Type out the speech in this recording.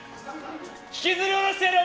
引きずり降ろしてやるよ